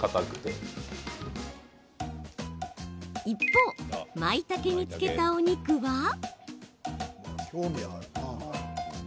一方まいたけにつけたお肉は。